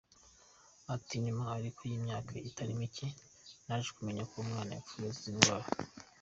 Ati “Nyuma ariko y’imyaka itari mike naje kumenya ko umwana yapfuye azize indwara.